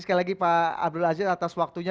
sekali lagi pak abdul aziz atas waktunya